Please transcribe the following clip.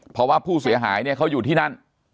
เพราะว่าผู้เสียหายเนี่ยเขาอยู่ที่นั่น